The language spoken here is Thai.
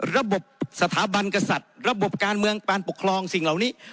ระบบสถาบันกษัตริย์ระบบการเมืองการปกครองสิ่งเหล่านี้